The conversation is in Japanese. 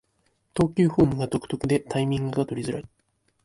投球フォームが独特でタイミングが取りづらい